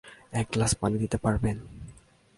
এক গ্লাস পানি দিতে পারবেন?